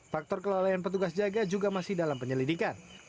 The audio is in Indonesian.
faktor kelalaian petugas jaga juga masih dalam penyelidikan